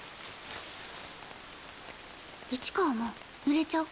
市川もぬれちゃう。